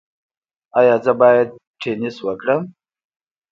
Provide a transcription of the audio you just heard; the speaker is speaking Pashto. ایا زه باید ټینس وکړم؟